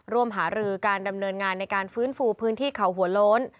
หารือการดำเนินงานในการฟื้นฟูพื้นที่เขาหัวโล้น